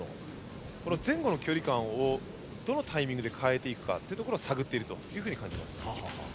前後の距離感をどのタイミングで変えていくかを探っていると感じます。